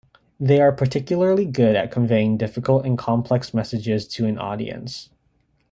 They are particularly good at conveying difficult and complex messages to an audience.